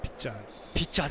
ピッチャー。